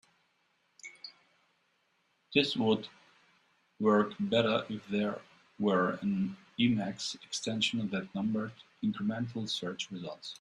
This would work better if there were an Emacs extension that numbered incremental search results.